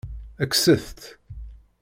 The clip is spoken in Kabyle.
Kkset-t.